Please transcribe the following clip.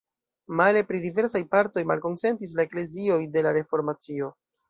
Male, pri diversaj partoj malkonsentis la eklezioj de la Reformacio.